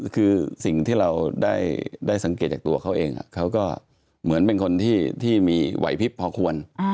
คือสิ่งที่เราได้สังเกตจากตัวเขาเองเขาก็เหมือนเป็นคนที่มีไหวพลิบพอควร